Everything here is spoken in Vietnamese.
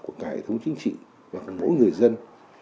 của cả hệ thống chính trị và mỗi người dân